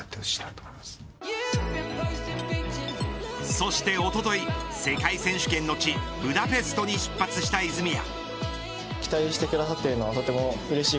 そしておととい世界選手権の地ブダペストに出発した泉谷。